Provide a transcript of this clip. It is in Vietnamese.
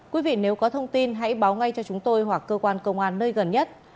quý vị nếu có thông tin hãy báo ngay cho chúng tôi hoặc cơ quan công an nơi gần nhất